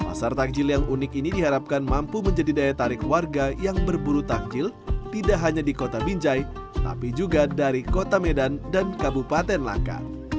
pasar takjil yang unik ini diharapkan mampu menjadi daya tarik warga yang berburu takjil tidak hanya di kota binjai tapi juga dari kota medan dan kabupaten langkat